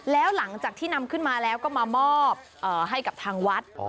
แล้วหลังจากที่นำขึ้นมาแล้วก็มามอบให้กับทางวัด